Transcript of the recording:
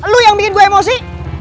lu yang bikin gue emosi